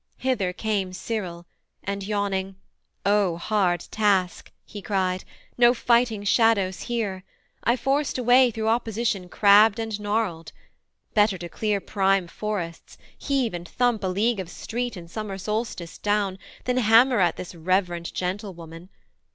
Hither came Cyril, and yawning 'O hard task,' he cried; 'No fighting shadows here! I forced a way Through opposition crabbed and gnarled. Better to clear prime forests, heave and thump A league of street in summer solstice down, Than hammer at this reverend gentlewoman.